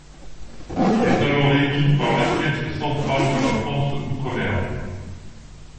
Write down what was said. Il est alors émis par la caisse centrale de la France d'outre-mer.